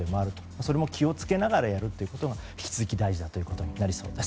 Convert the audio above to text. それも気を付けながらやるということが引き続き大事だということです。